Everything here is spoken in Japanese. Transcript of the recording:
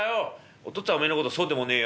「お父っつぁんおめえの事そうでもねえよ。